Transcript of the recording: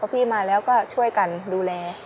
พี่มาแล้วก็ช่วยกันดูแล